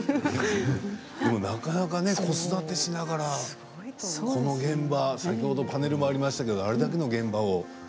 でもなかなか子育てしながら、この現場先ほどパネルもありましたけどあれだけの現場を。